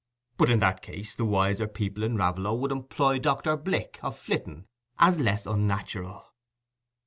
But in that case the wiser people in Raveloe would employ Dr. Blick of Flitton—as less unnatural.